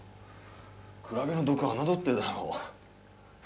クラゲの毒侮ってるだろ。